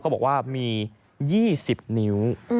บอกว่ามี๒๐นิ้ว